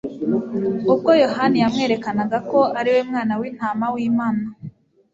ubwo Yohana yamwerekanaga ko ariwe Mwana w'intama w'Imana,